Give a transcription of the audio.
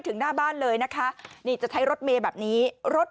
ถึงหน้าบ้านเลยนะคะนี่จะใช้รถเมย์แบบนี้รถ